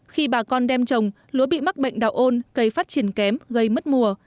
khi bà con đem trồng lúa bị mắc bệnh đạo ôn cây phát triển kém gây mất mùa